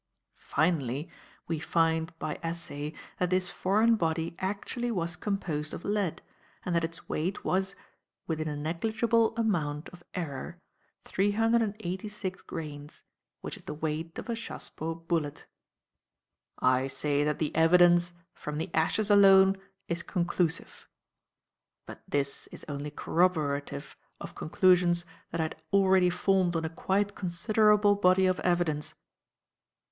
"Finally, we find by assay, that this foreign body actually was composed of lead and that its weight was within a negligible amount of error three hundred and eighty six grains, which is the weight of a chassepot bullet. "I say that the evidence, from the ashes alone, is conclusive. But this is only corroborative of conclusions that I had already formed on a quite considerable body of evidence.